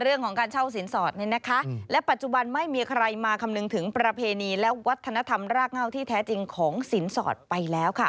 เรื่องของการเช่าสินสอดเนี่ยนะคะและปัจจุบันไม่มีใครมาคำนึงถึงประเพณีและวัฒนธรรมรากเง่าที่แท้จริงของสินสอดไปแล้วค่ะ